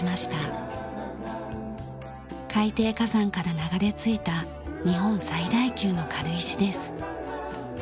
海底火山から流れ着いた日本最大級の軽石です。